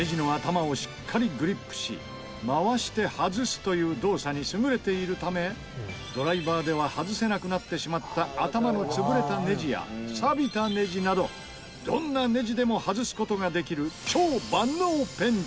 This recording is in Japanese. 回して外すという動作に優れているためドライバーでは外せなくなってしまった頭の潰れたネジや錆びたネジなどどんなネジでも外す事ができる。